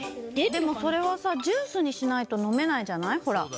でもそれはさジュースにしないとのめないじゃないほら。